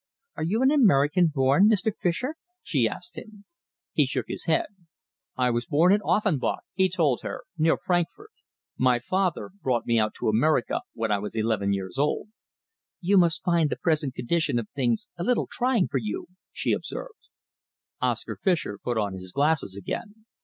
"Are you an American born, Mr. Fischer," she asked him. He shook his head. "I was born at Offenbach," he told her, "near Frankfurt. My father brought me out to America when I was eleven years old." "You must find the present condition of things a little trying for you," she observed. Oscar Fischer put on his glasses again.